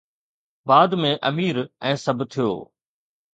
بعد ۾ امير ۽ سڀ ٿيو